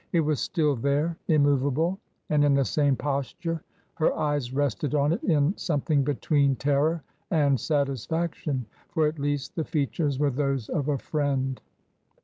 It was still there, immovable. TRANSITION, 305 and in the same posture : her eyes rested on it in some thing between terror and satisfaction — for at least the features were those of a friend.